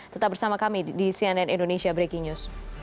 tetap bersama kami di cnn indonesia breaking news